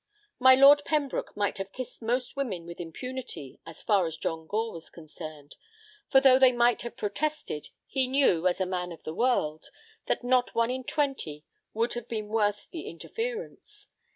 My Lord Pembroke might have kissed most women with impunity as far as John Gore was concerned; for though they might have protested, he knew, as a man of the world, that not one in twenty would have been worth the interference.